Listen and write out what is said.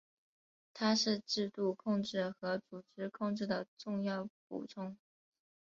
它是制度控制和组织控制的重要补充。